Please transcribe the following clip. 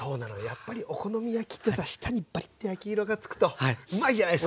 やっぱりお好み焼きってさ下にバリッて焼き色がつくとうまいじゃないっすか。